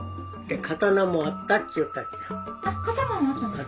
あ刀もあったんですか？